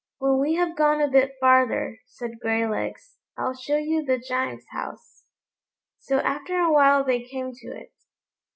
"When we have gone a bit farther," said Graylegs, "I'll show you the Giant's house." So after a while they came to it.